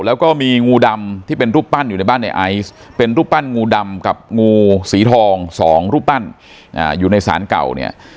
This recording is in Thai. แล้วก็มีงูดำที่เป็นรูปปั้นอยู่ในบ้านในไอซ์เป็นรูปปั้นงูดำกับงูสีทองสองรูปปั้นอยู่ในศาลเก่าเนี่ย